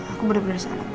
aku bener bener salah